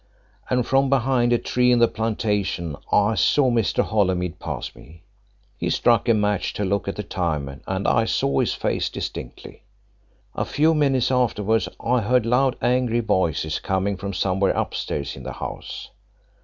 And from behind a tree in the plantation I saw Mr. Holymead pass me he struck a match to look at the time, and I saw his face distinctly. A few minutes afterwards I heard loud, angry voices coming from somewhere upstairs in the house.